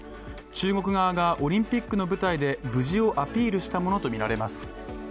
中国側がオリンピックの舞台で無事をアピールしたものとみられます。